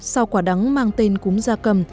sau quả đắng mang tên cúm ra cầm